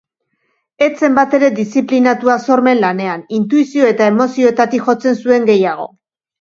Ez zen batere diziplinatua sormen lanean, intuizio eta emozioetatik jotzen zuen gehiago.